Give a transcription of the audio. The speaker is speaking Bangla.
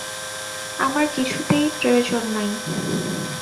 আমার কিছুতেই প্রয়োজন নাই।